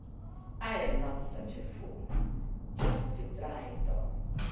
"I'm not such a fool.... Just you try it on....